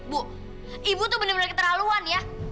bu ibu tuh bener bener keterlaluan ya